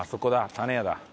種屋だ。